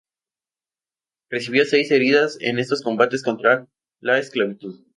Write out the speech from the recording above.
Recibió seis heridas en estos combates contra la esclavitud.